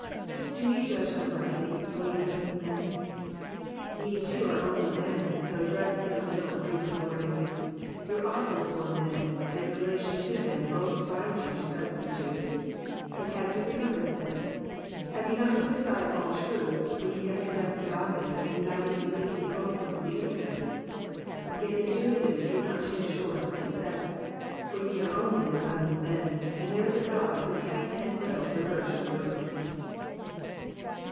i>t? ye judge uprigJUly^ 0 ye sons of menV'* Ye too are only men though dressed in a little brief authority. Tour office for men, and your relation to men both bind you to rectitude ; but have ye remembered this ? Have ye not put aside all truth when ye have condemned the ffodly, and united in seeking the overthrow of the innocent ? Yet in doing this be not too sure of success, K»r ye are only the '* sons of men,*' and there is a €lod who can and will reverse year verdicts.